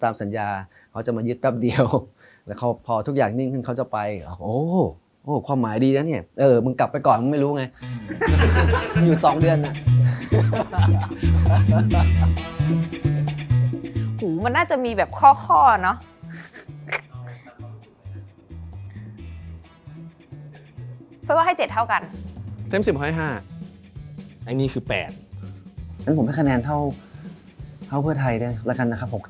เท่าเพื่อไทยด้วยละกันนะครับ๖๗